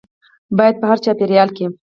باید په هر چاپیریال کې